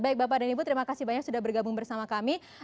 baik bapak dan ibu terima kasih banyak sudah bergabung bersama kami